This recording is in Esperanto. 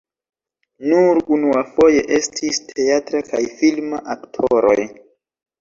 Nur unuafoje estis teatra kaj filma aktoroj.